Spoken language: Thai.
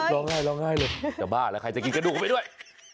ร้องไห้เลยจะบ้าแล้วใครจะกินกระดูกกันไปด้วย